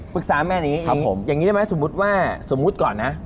ปรึกษาแม่นอย่างนี้อีกอย่างนี้ได้ไหมสมมุติว่าสมมุติก่อนนะ